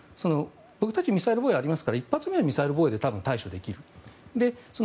僕たちミサイル防衛はありますから１発目はミサイル防衛で対処できる。